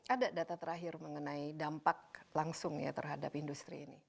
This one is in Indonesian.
ada data terakhir mengenai dampak langsung ya terhadap industri ini